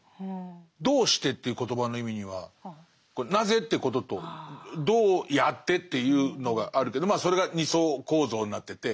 「どうして」という言葉の意味には「なぜ？」ってことと「どうやって？」っていうのがあるけどまあそれが２層構造になってて。